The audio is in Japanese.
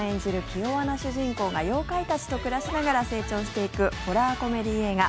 気弱な主人公が妖怪たちと暮らしながら成長していくホラーコメディー映画。